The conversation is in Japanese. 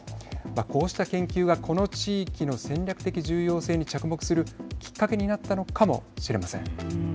こうした研究がこの地域の戦略的重要性に着目するきっかけになったのかもしれません。